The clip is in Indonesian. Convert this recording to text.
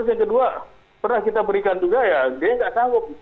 terus yang kedua pernah kita berikan juga ya dia nggak sanggup